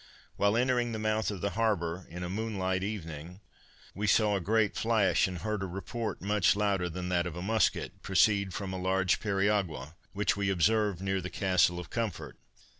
While entering the mouth of the harbor, in a moonlight evening, we saw a great flash, and heard a report much louder than that of a musket, proceed from a large periagua, which we observed near the Castle of Comfort.